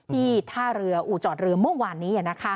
ที่ท่าเรืออุจจอดเรือเมื่อวานนี้นะคะ